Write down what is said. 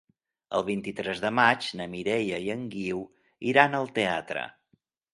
El vint-i-tres de maig na Mireia i en Guiu iran al teatre.